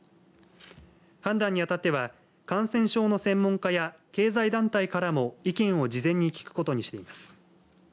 判断にあたっては感染症の専門家や経済団体からも意見を事前に聞くことにしています。